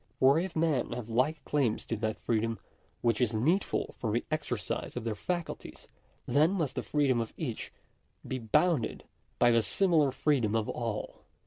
For if men have like claims to that freedom which is needful for the exer cise of their faculties, then must the freedom of each be bounded by the similar freedom of all.